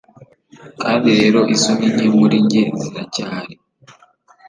Kandi rero isoni nke muri njye ziracyahari